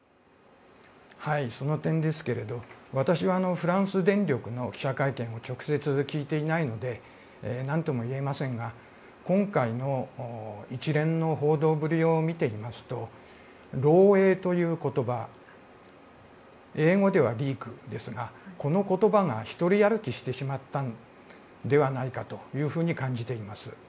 その点ですが私はフランス電力の記者会見を直接聞いていないので何とも言えませんが今回の一連の報道ぶりを見ていますと漏洩という言葉英語ではリークですがこの言葉が独り歩きしてしまったのではないかと感じています。